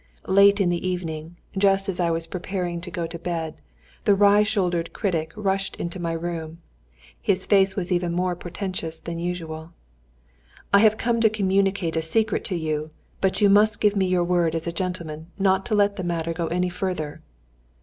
Late in the evening, just as I was preparing to go to bed, the wry shouldered critic rushed into my room. His face was even more portentous than usual. "I have to communicate a secret to you, but you must give me your word as a gentleman not to let the matter go any further."